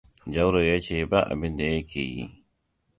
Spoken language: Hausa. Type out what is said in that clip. Jauro ya ce ba abinda yake yi.